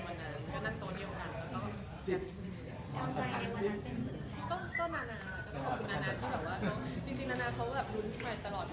กกันหนึ่งยังไม่ได้คุยอะไรกันเลย